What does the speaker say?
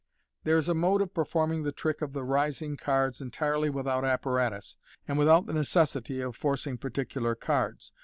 There is a mode of performing the trick of the rising cards en tirely without apparatus, and without the necessity of forcing par ticular cards.